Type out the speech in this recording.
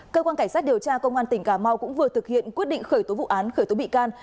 cơ quan cảnh sát điều tra công an tỉnh cà mau cũng vừa thực hiện quyết định khởi tố vụ án khởi tố bị can